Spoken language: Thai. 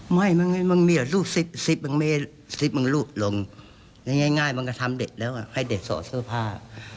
ไม่มันมีอ่ะลูกซิปมันลูกลงง่ายมันก็ทำเด็กแล้วอ่ะให้เด็กสอเสื้อผ้า